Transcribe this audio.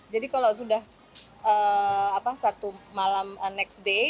jadi kalau sudah satu malam next day